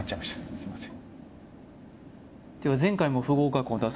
すいません